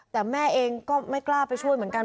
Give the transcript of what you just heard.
แต่แม่เองก็ไม่กล้าไปช่วยเหมือนกัน